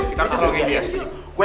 kita harus logik dia